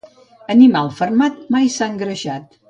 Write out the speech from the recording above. Animal fermat mai s'ha engreixat.